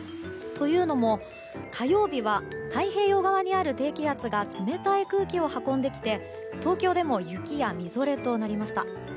というのも、火曜日は太平洋側にある低気圧が冷たい空気を運んできて東京でも雪や、みぞれとなりました。